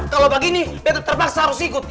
kalau begini terpaksa harus ikut